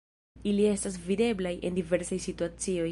Ili estas videblaj en diversaj situacioj.